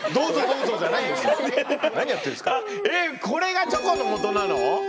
これがチョコのもとなの？